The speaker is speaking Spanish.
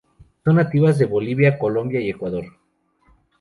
Son nativas de Bolivia, Colombia y Ecuador.